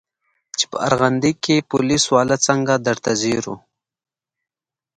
چې په ارغندې کښې پوليس والا څنګه درته ځير و.